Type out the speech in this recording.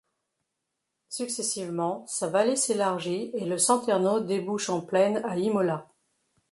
Successivement, sa vallée s'élargit et le Santerno débouche en plaine à Imola.